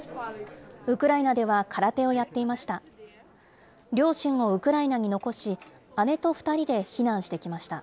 ウクライナでは空手をやっていました。